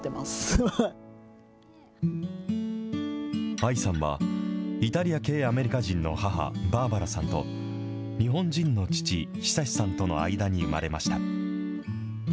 ＡＩさんは、イタリア系アメリカ人の母、バーバラさんと、日本人の父、久さんとの間に生まれました。